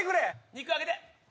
肉上げて。